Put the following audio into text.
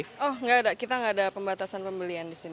oh nggak ada kita nggak ada pembatasan pembelian di sini